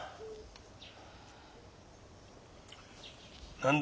何だ？